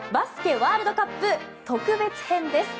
ワールドカップ特別編です。